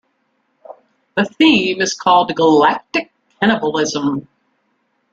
The theme is called "Galactic Cannibalism".